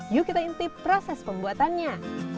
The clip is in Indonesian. yuk kita intip proses pembuatannya